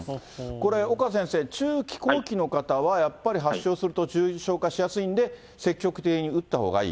これ、岡先生、中期、後期の方は、やっぱり発症すると重症化しやすいんで、積極的に打ったほうがいい。